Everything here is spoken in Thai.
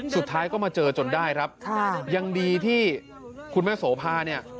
สุดท้ายก็มาเจอจนได้ครับค่ะยังดีที่คุณแม่โสภาเนี่ย